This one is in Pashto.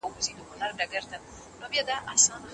ستا د رخسار په ائينه کې مُصور ورک دی